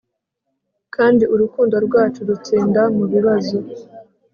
kandi urukundo rwacu rutsinda mubibazo